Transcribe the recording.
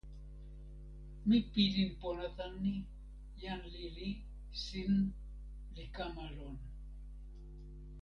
mi pilin pona tan ni: jan lili sin li kama lon.